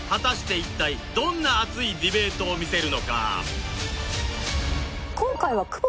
一体どんな熱いディベートを見せるのか？